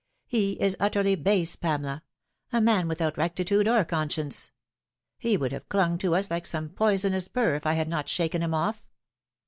He is utterly base, Pamela a man without rectitude or conscience. He would Lave clung to us like some poisonous burr if I had not shaken him off.